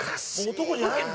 男じゃないんだ。